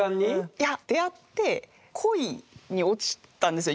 いや出会って恋に落ちたんですよ